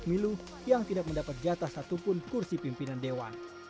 pemilu yang tidak mendapat jatah satupun kursi pimpinan dewan